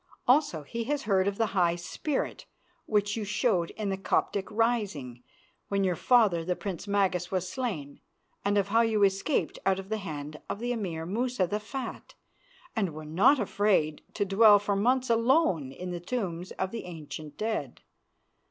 Also he has heard of the high spirit which you showed in the Coptic rising, when your father, the Prince Magas, was slain, and of how you escaped out of the hand of the Emir Musa the Fat, and were not afraid to dwell for months alone in the tombs of the ancient dead.